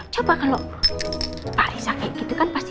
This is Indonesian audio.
coba kalau pak isa kayak gitu kan pasti